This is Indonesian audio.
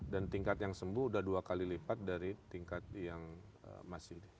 dan tingkat yang sembuh sudah dua kali lipat dari tingkat yang masih